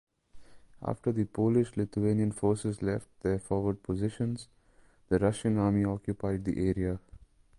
After the Polish-Lithuanian forces left their forward positions, the Russian army occupied the area.